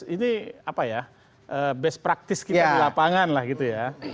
ini yang lebih praktis kita di lapangan lah gitu ya